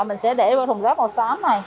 mình sẽ để vô thùng rác màu xám này